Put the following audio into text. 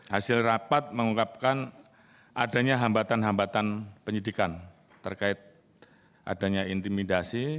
hasil rapat mengungkapkan adanya hambatan hambatan penyidikan terkait adanya intimidasi